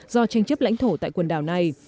do tranh chấp lãnh thổ tại quần đảo này